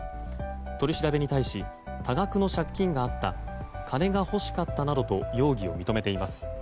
取り調べに対し多額の借金があった金が欲しかったなどと容疑を認めています。